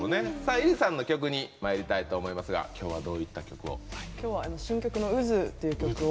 ｉｒｉさんの曲にまいりたいと思いますが今日はどういった曲を？